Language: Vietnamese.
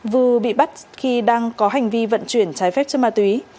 vư bị bắt khi đang có hành vi vận chuyển trái phép chất ma túy